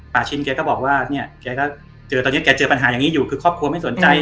ชินแกก็บอกว่าเนี่ยแกก็เจอตอนนี้แกเจอปัญหาอย่างนี้อยู่คือครอบครัวไม่สนใจ